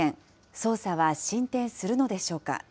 捜査は進展するのでしょうか。